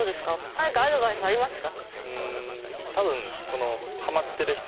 何かアドバイスありますか？